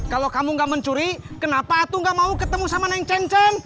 kalau kamu enggak mencuri kenapa atuh enggak mau ketemu sama neng cen cen